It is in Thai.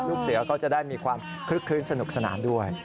ลูกเสือก็จะได้มีความคลึกคลื้นสนุกสนานด้วย